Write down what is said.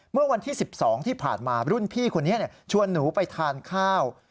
เมื่อวันที่๑๒ที่ผ่านมารุ่นพี่คนนี้ชวนหนูไปทานข้าว